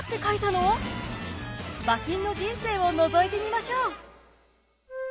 馬琴の人生をのぞいてみましょう。